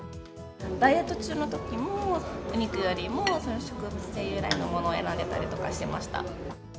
ダイエット中のときも、お肉よりも植物性由来のものを選んでたりとかしてました。